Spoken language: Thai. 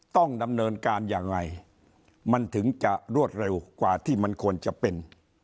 ต้องดำเนินการยังไงมันถึงจะรวดเร็วกว่าที่มันควรจะเป็น